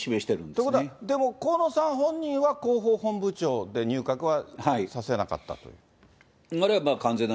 ということは、でも、河野さん本人は広報本部長で入閣はさせなかったという。